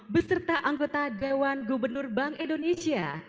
beserta anggota dewan gubernur bank indonesia